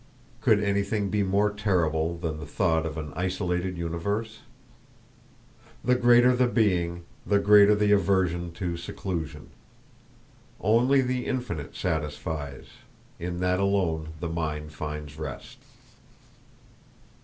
Could anything be more terrible than the thought of an isolated universe? The greater the being, the greater the aversion to seclusion. Only the infinite satisfies; in that alone the mind finds rest.